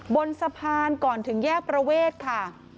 บนสะพานก่อนถึงแยกประเวทค่ะ